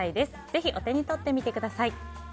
ぜひ、お手に取ってみてください。